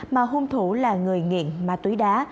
mà hung thủ là người nghiện mà túi đá